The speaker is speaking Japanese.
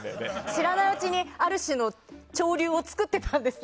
知らないうちにある種の潮流を作ってたんですね。